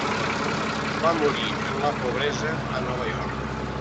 Va morir en la pobresa a Nova York.